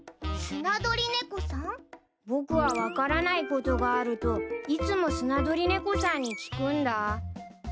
僕は分からないことがあるといつもスナドリネコさんに聞くんだ。